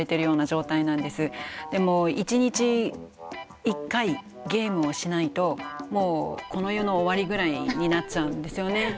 でもう１日１回ゲームをしないともうこの世の終わりぐらいになっちゃうんですよね。